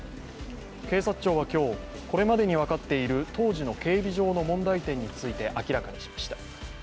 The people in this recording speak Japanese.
警察庁は今日、これまでに分かっている当時の警備上の問題点について明らかにしました。